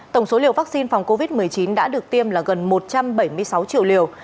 tổng số liều vaccine phòng covid một mươi chín đã được tiêm là gần một trăm bảy mươi sáu triệu liều